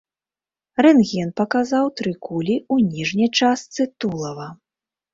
Рэнтген паказаў тры кулі ў ніжняй частцы тулава.